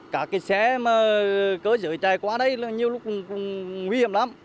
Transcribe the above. cả cái xe mà cơ giới chạy qua đây nhiều lúc cũng nguy hiểm lắm